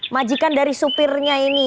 majikan dari supirnya ini